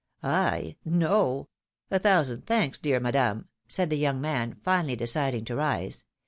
"I? No! a thousand thanks, dear Madame," said the young man, finally deciding to rise.